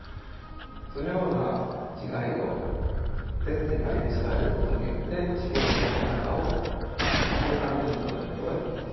そのような違いを全世界で調べることによって地球の中を計算で求めることができます。